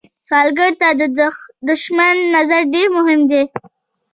سوالګر ته د شتمن نظر ډېر مهم دی